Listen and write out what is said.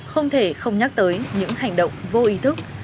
không thể không nhắc tới những hành động vô ý thức